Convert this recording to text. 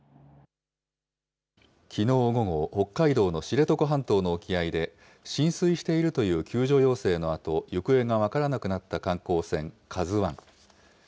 きのう午後、北海道の知床半島の沖合で、浸水しているという救助要請のあと、行方が分からなくなった観光船、ＫＡＺＵわん。